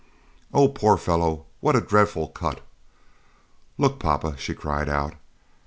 'Oh! poor fellow. What a dreadful cut! Look, papa!' she cried out.